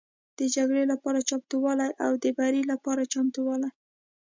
د جګړې لپاره چمتووالی او د بري لپاره چمتووالی